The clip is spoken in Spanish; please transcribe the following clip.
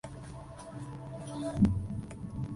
Se vinculó a organizaciones de izquierda desde temprana edad.